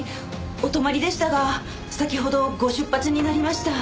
お泊まりでしたが先ほどご出発になりました。